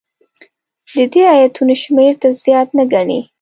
د دې ایتونو شمېر تر زیات نه ګڼي.